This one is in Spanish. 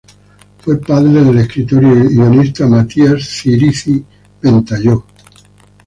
Fue padre del escritor y guionista Matías Cirici-Ventalló.